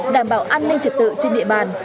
đảm bảo an ninh trật tự trên địa bàn